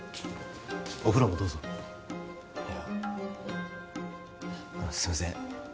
お風呂もどうぞいやあのすいません